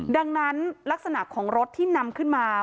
ดังนั้นลักษณะของรถที่นำขึ้นมา